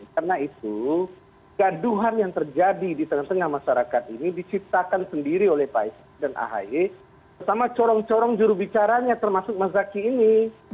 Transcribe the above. karena itu gaduhan yang terjadi di tengah tengah masyarakat ini diciptakan sendiri oleh pak sd dan ahae bersama corong corong jurubicaranya termasuk mas zaky ini